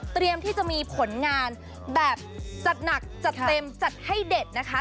ที่จะมีผลงานแบบจัดหนักจัดเต็มจัดให้เด็ดนะคะ